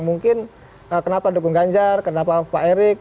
mungkin kenapa dukung ganjar kenapa pak erik